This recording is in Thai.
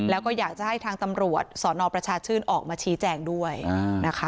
แล้วก็อยากจะให้ทางตำรวจสนประชาชื่นออกมาชี้แจงด้วยนะคะ